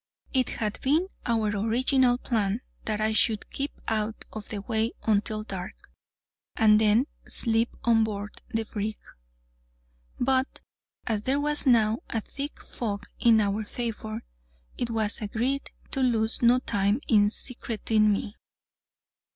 It had been our original plan that I should keep out of the way until dark, and then slip on board the brig; but, as there was now a thick fog in our favor, it was agreed to lose no time in secreting me.